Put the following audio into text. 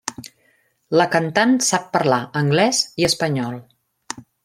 La cantant sap parlar anglès i espanyol.